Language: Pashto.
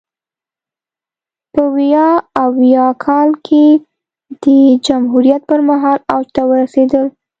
په ویا اویا کال کې د جمهوریت پرمهال اوج ته ورسېدل.